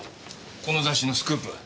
この雑誌のスクープ。